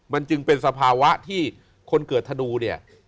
มันจึงเป็นสภาวะที่คนเกิดธนูเนี่ย